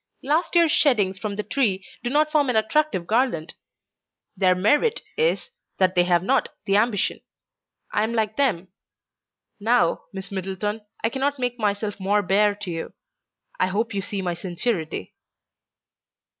Last year's sheddings from the tree do not form an attractive garland. Their merit is, that they have not the ambition. I am like them. Now, Miss Middleton, I cannot make myself more bare to you. I hope you see my sincerity."